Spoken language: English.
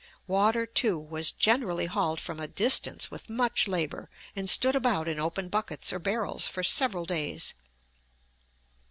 Water, too, was generally hauled from a distance with much labor, and stood about in open buckets or barrels for several days.